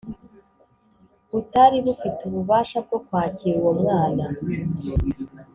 butari bufite ububasha bwo kwakira uwo mwana.